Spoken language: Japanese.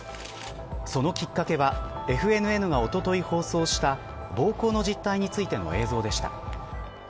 そのきっかけはＦＮＮが、おととい放送した暴行の実態についての映像でした。